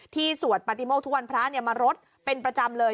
สวดปฏิโมกทุกวันพระมารดเป็นประจำเลย